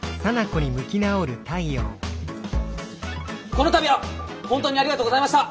この度は本当にありがとうございました！